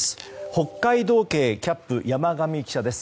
北海道警キャップ山上記者です。